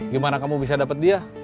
gimana kamu bisa dapat dia